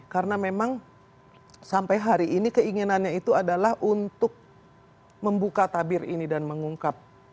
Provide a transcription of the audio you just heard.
karena memang sampai hari ini keinginannya itu adalah untuk membuka tabir ini dan mengungkap